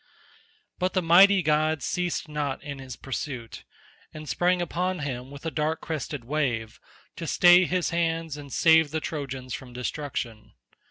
But the mighty god ceased not in his pursuit, and sprang upon him with a dark crested wave, to stay his hands and save the Trojans from destruction.